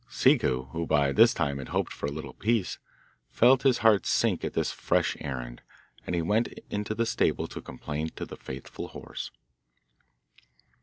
Ciccu, who by this time had hoped for a little peace, felt his heart sink at this fresh errand, and he went into the stable to complain to the faithful horse.